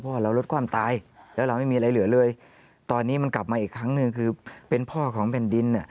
เราลดความตายแล้วเราไม่มีอะไรเหลือเลยตอนนี้มันกลับมาอีกครั้งหนึ่งคือเป็นพ่อของแผ่นดินอ่ะ